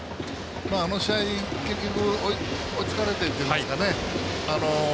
あの試合、結局追いつかれてといいますか。